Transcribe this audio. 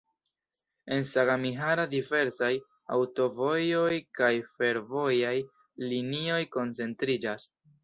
En Sagamihara diversaj aŭtovojoj kaj fervojaj linioj koncentriĝas.